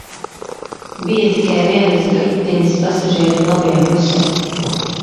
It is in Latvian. Bija tikai vienas durvtiņas pasažierim labajā pusē.